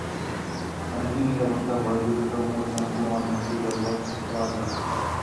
অনেকেই নিরাপত্তার ভয়ে দ্রুততম ও জনপ্রিয় মাধ্যমটির ব্যবহার ছাড়তে বাধ্য হচ্ছেন।